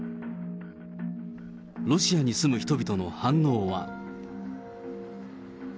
ロシアに住む人々の反応は。